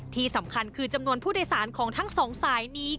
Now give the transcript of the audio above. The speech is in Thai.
ที่สำคัญคือจำนวนผู้โดยสารของทั้งสองสายนี้